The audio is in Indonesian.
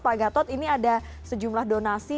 pak gatot ini ada sejumlah donasi